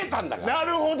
なるほど。